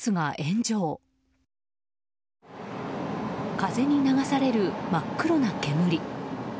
風に流される真っ黒な煙。